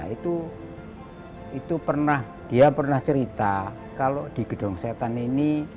itu pernah dia pernah cerita kalau di gedung setan ini